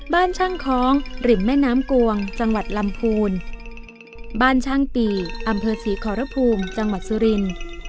บ้านช่างคล้องริมแม่น้ำกวงจังหวัดลำพูนบ้านช่างปีอำเภอศรีขอรภูมิจังหวัดสุรินทร์